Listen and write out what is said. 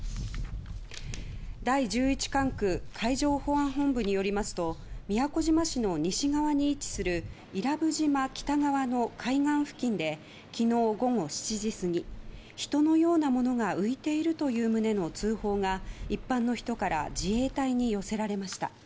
第１１管区海上保安本部によりますと宮古島市の西側に位置する伊良部島北側の海岸付近で昨日午後７時過ぎ人のようなものが浮いているという旨の通報が一般の人から自衛隊に寄せられました。